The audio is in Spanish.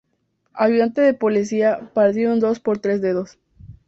Ayudante del Policía: Partido en dos por "Tres dedos".